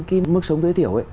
cái mức sống tối thiểu